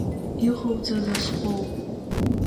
Иҟауҵаз азхоуп.